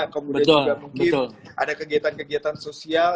kemudian juga mungkin ada kegiatan kegiatan sosial